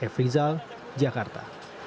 f rizal jakarta